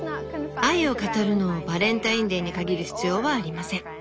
「愛を語るのをバレンタインデーに限る必要はありません。